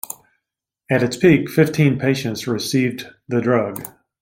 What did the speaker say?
At its peak, fifteen patients received the drug.